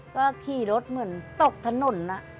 ก็ขี่รถเหมือนตกถนน